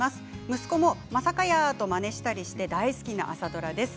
息子もまさかやーとまねしたりして大好きな朝ドラです。